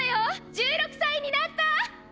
１６歳になった！